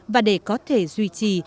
và để có thể duy trì